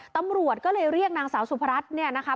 ตำรวจก็เลยเรียกนางสาวสุพรัชเนี่ยนะคะ